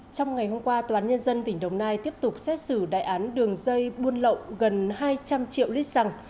trong ngày hôm qua tòa án nhân dân tỉnh đồng nai tiếp tục xét xử đại án đường dây buôn lậu gần hai trăm linh triệu lít xăng